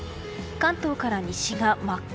関東から西が真っ赤。